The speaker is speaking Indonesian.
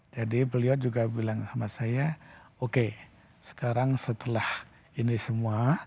jadi beliau juga bilang sama saya oke sekarang setelah ini semua